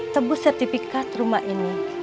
tebus sertifikat rumah ini